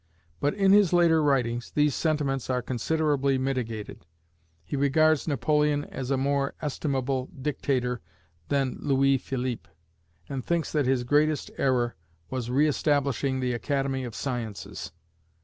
But in his later writings these sentiments are considerably mitigated: he regards Napoleon as a more estimable "dictator" than Louis Philippe, and thinks that his greatest error was re establishing the Academy of Sciences!